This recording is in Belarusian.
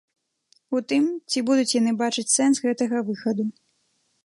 У тым, ці будуць яны бачыць сэнс гэтага выхаду.